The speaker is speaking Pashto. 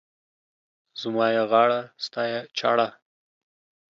زما يې غاړه، ستا يې چاړه.